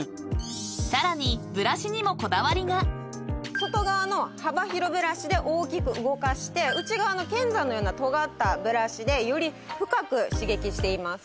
［さらに］外側の幅広ブラシで大きく動かして内側の剣山のようなとがったブラシでより深く刺激しています。